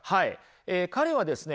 彼はですね